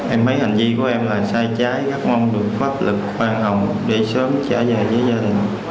em thấy hành vi của em là sai trái gác mong được pháp lực khoan hồng để sớm trả giá cho dân